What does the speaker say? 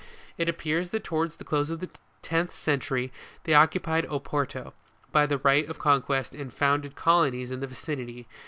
It appears that to wards the close of the tenth century, they occupied Oporto, by the right of conquest, and founded colonies in the vicinity.